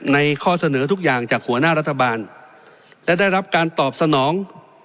ข้อเสนอทุกอย่างจากหัวหน้ารัฐบาลและได้รับการตอบสนอง